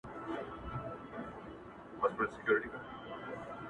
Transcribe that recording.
• پربت باندي يې سر واچوه؛